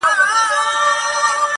• ويل پلاره ما ټول كال زحمت ايستلى -